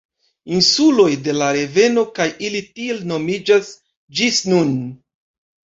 Insuloj de la reveno kaj ili tiel nomiĝas ĝis nun.